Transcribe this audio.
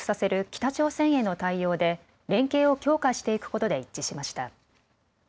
北朝鮮への対応で連携を強化していくことで一致しました。